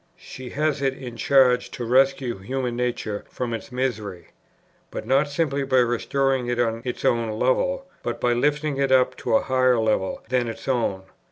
She has it in charge to rescue human nature from its misery, but not simply by restoring it on its own level, but by lifting it up to a higher level than its own.